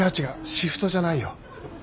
シフトじゃないよ。